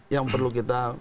yang perlu kita